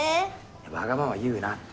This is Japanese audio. わがまま言うなって。